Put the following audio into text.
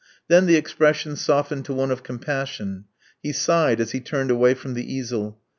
Then the expression softened to one of compassion; he sighed as he turned away from the easel.